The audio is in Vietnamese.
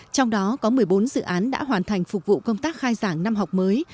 trong đó có một mươi bốn dự án đã hoàn thành phục vụ công tác khai giảng năm học mới